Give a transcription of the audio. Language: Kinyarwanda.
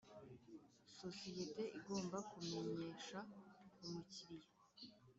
Sosiyete igomba kumenyesha umukiriya